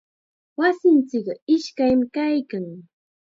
Wasinchikqa iskam kaykan.